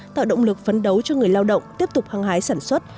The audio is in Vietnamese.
tạo động lực phấn đấu cho người lao động tiếp tục hăng hái sản xuất